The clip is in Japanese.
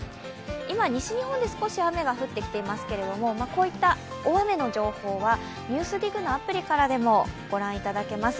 今、西日本で少し雨が降ってきていますけどこういった大雨の情報はＮＥＷＳＤＩＧのアプリからもご覧いただけます。